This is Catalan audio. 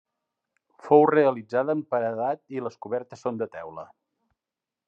Fou realitzada en paredat i les cobertes són de teula.